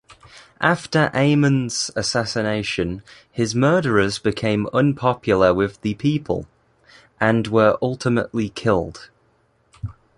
After Amon's assassination his murderers became unpopular with the people, and were ultimately killed.